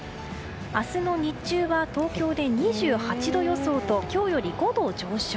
明日の日中は東京で２８度予想と今日より５度上昇。